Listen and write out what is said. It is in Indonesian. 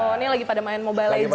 oh ini lagi pada main mobile legends ya